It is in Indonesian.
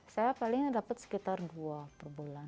saya paling dapat sekitar dua per bulan